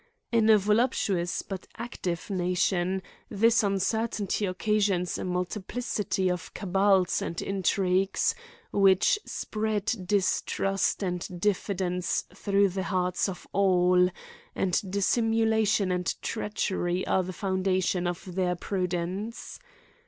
In a voluptuous but active nation, this uncertainty oc casions a multiplicity of cabals and intrigues^ which spread distrust and diffidence through the hearts of all, and dissimulation and treachery are the foundation of their prudence.